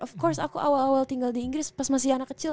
of course aku awal awal tinggal di inggris pas masih anak kecil